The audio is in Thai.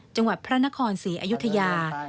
จังหวัดพระนครศรีอยุธยา